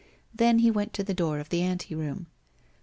Then he went to the door of the anteroom.